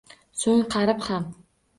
So’ng, qarib ham